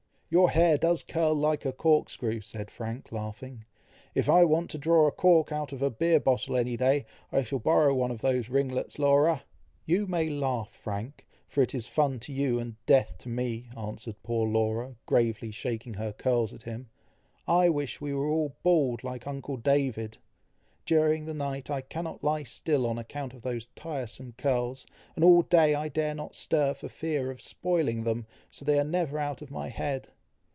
"Your hair does curl like a cork screw," said Frank, laughing. "If I want to draw a cork out of a beer bottle any day, I shall borrow one of those ringlets, Laura!" "You may laugh, Frank, for it is fun to you and death to me," answered poor Laura, gravely shaking her curls at him. "I wish we were all bald, like uncle David! During the night, I cannot lie still on account of those tiresome curls, and all day I dare not stir for fear of spoiling them, so they are never out of my head."